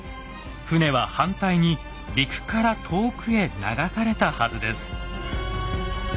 船は反対に陸から遠くへ流されたはずです。